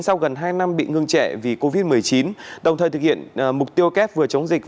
sau gần hai năm bị ngưng trệ vì covid một mươi chín đồng thời thực hiện mục tiêu kép vừa chống dịch